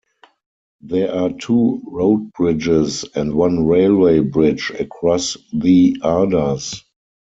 There are two road bridges and one railway bridge across the Ardas.